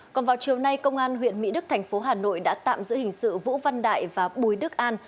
còn vào chiều nay công an huyện mỹ đức thành phố hà nội đã tạm giữ hình sự vũ văn đại và bùi đức an